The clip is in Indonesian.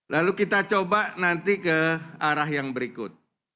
lalu kita coba nanti ke arah yang berikut